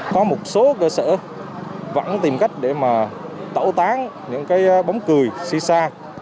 có một số cơ sở vẫn tìm cách để mà tẩu tán những cái bóng cười si sa